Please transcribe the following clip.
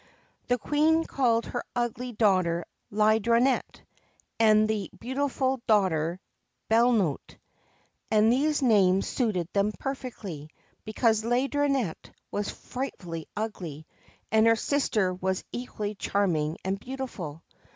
The Queen called her ugly daughter Laideronnette, and the beautiful daughter Bellote ; and these names suited them perfectly, because Laideronnette was frightfully ugly, and her sister was equally charming and beautiful.